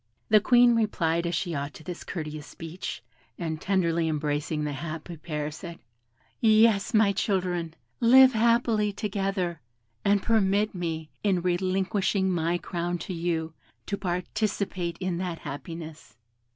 The Queen replied as she ought to this courteous speech, and tenderly embracing the happy pair, said, "Yes, my children, live happily together, and permit me, in relinquishing my crown to you, to participate in that happiness."